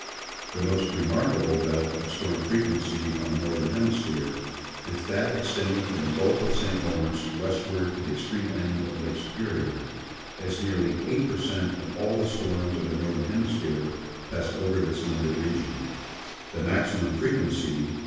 The most remarkable belt of storm frequency on the Northern Hemi sphere is that extending from the Gulf of Saint Lawrence west ward to the extreme end of Lake Superior, as nearly 8 per cent, of all the storms of the Northern Hemisphere passed over this limited region ; the maximum frequency (1.